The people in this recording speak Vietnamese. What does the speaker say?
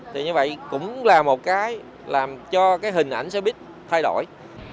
thì như vậy cũng là một cái làm cho cái hình ảnh xe buýt thay đổi